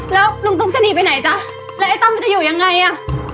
แล้วลุงตุ๊กจะหนีไปไหนจ๊ะแล้วไอ้ตั้มมันจะอยู่ยังไงอ่ะ